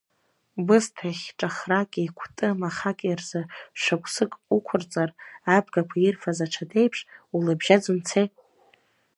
Бысҭахь ҿахраки кәты махаки рзы шықәсык уқәырҵар, абгақәа ирфаз аҽада еиԥш, улыбжьаӡ умцеи!